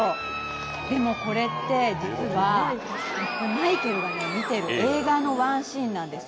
でも、これって実はマイケルが見ている映画のワンシーンなんです。